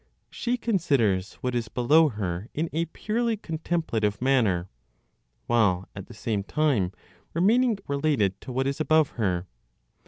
She considers what is below her in a purely contemplative manner, while at the same time remaining related to what is above her.